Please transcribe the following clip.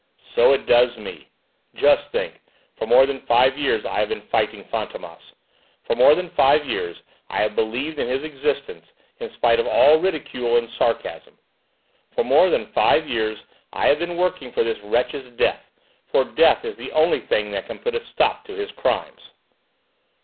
"So it does me! Just think: for more than five years I have been fighting Fantômas! For more than five years I have believed in his existence, in spite of all ridicule and sarcasm! For more than five years I have been working for this wretch's death, for death is the only thing that can put a stop to his crimes!"